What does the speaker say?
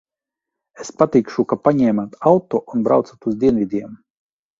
Es pateikšu, ka paņēmāt auto un braucat uz dienvidiem.